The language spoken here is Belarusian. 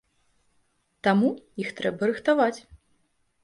Таму, іх трэба рыхтаваць.